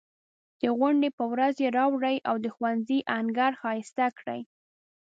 د غونډې په ورځ یې راوړئ او د ښوونځي انګړ ښایسته کړئ.